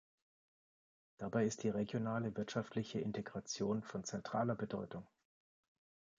Dabei ist die regionale wirtschaftliche Integration von zentraler Bedeutung.